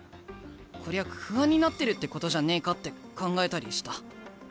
こりゃ不安になってるってことじゃねえかって考えたりした。